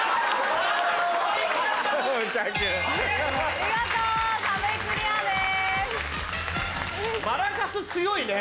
見事壁クリアです。